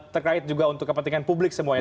terkait juga untuk kepentingan publik semuanya